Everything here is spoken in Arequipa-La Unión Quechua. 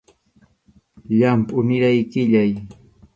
Llampʼu niraq qʼillay.